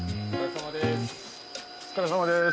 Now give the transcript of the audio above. お疲れさまです。